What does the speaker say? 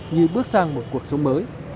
như bước sang một cuộc sống mới